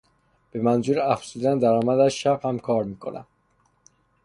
به منظور افزودن درآمدش شب هم کار میکند.